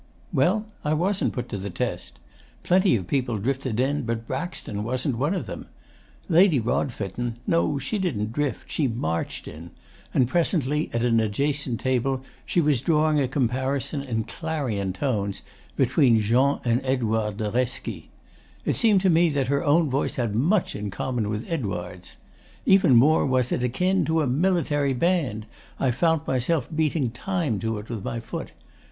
'Well, I wasn't put to the test. Plenty of people drifted in, but Braxton wasn't one of them. Lady Rodfitten no, she didn't drift, she marched, in; and presently, at an adjacent table, she was drawing a comparison, in clarion tones, between Jean and Edouard de Reszke. It seemed to me that her own voice had much in common with Edouard's. Even more was it akin to a military band. I found myself beating time to it with my foot.